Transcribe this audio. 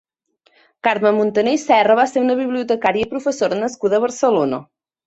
Carme Montaner i Serra va ser una bibliotecària i professora nascuda a Barcelona.